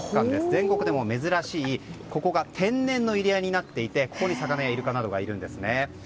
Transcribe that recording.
全国でも珍しいここが天然の入江になっていてここに魚やイルカなどがいるんですね。